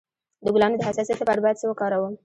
د ګلانو د حساسیت لپاره باید څه وکاروم؟